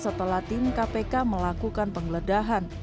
setelah tim kpk melakukan penggeledahan